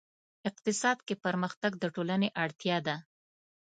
اقتصاد کې پرمختګ د ټولنې اړتیا ده.